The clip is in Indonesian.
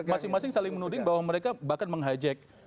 masing masing saling menuding bahwa mereka bahkan menghajek